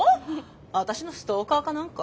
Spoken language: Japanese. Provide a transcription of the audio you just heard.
私のストーカーか何か？